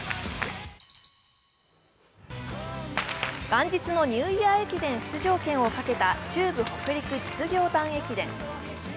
元日のニューイヤー駅伝出場権をかけた中部・北陸実業団駅伝。